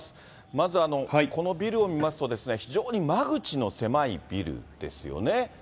まず、このビルを見ますと、非常に間口の狭いビルですよね。